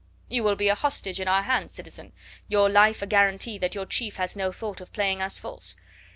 "You will be a hostage in our hands, citizen; your life a guarantee that your chief has no thought of playing us false.